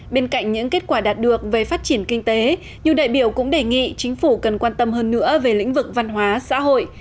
bên cạnh những kết quả đạt được về phát triển kinh tế nhiều đại biểu cũng đề nghị chính phủ cần quan tâm hơn nữa về lĩnh vực văn hóa xã hội